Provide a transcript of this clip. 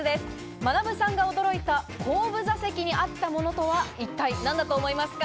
まなぶさんが驚いた後部座席にあったものとは一体何だと思いますか？